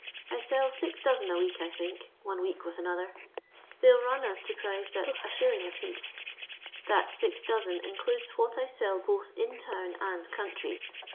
I sell six dozen a week, I think, one week with another ; they'll run as to price at 1«. apiece. That six dosen includes what I sell both in town and country.